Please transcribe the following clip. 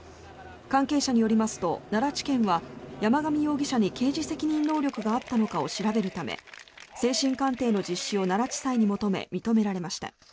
関係者によりますと奈良地検は山上容疑者に刑事責任能力があったのかを調べるため精神鑑定の実施を奈良地裁に求め認められました。